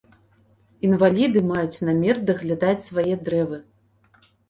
Інваліды маюць намер даглядаць свае дрэвы.